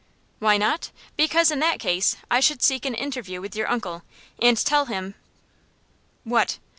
"Why not? Because, in that case, I should seek an interview with your uncle, and tell him " "What?"